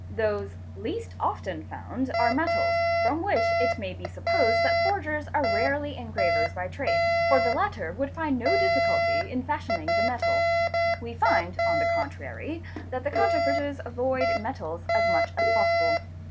Those least often found are metals, from which it 99 786 CHEATING AND FRAUD may be supposed that forgers are rarely engravers by trade, for the latter would find no difficulty in fashioning the metal; we find on the contrary that the counterfeiters avoid metals as much as possible.